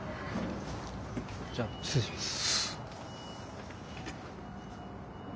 じゃ失礼します。